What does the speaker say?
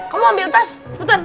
kamu ambil tas buta